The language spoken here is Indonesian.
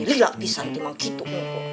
lelah pisang memang gitu boko